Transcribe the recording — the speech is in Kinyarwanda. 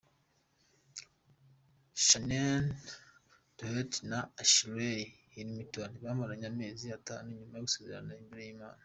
Shannen Doherty na Ashley Hamilton bamaranye amezi atanu nyuma yo gusezerana imbere y’ Imana.